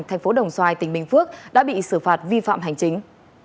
thành phố đồng xoài tỉnh bình phước đã bị xử phạt vi phạm hành chính